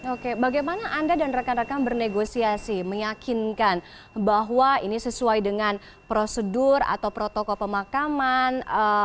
oke bagaimana anda dan rekan rekan bernegosiasi meyakinkan bahwa ini sesuai dengan prosedur atau protokol pemakaman